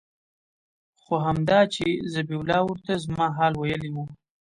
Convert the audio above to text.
خو همدا چې ذبيح الله ورته زما حال ويلى و.